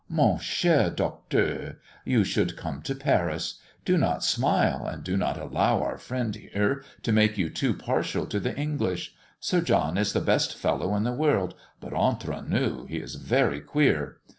Mon cher Docteur, you should come to Paris. Do not smile, and do not allow our friend here to make you too partial to the English. Sir John is the best fellow in the world, but entre nous, he is very queer.